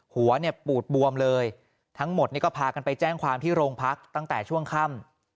หัวเนี่ยปูดบวมเลยทั้งหมดนี่ก็พากันไปแจ้งความที่โรงพักตั้งแต่ช่วงค่ำ